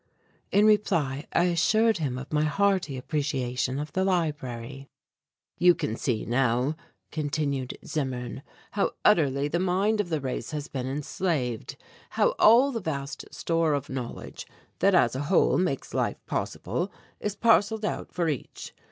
In reply I assured him of my hearty appreciation of the library. "You can see now," continued Zimmern, "how utterly the mind of the race has been enslaved, how all the vast store of knowledge, that as a whole makes life possible, is parcelled out for each.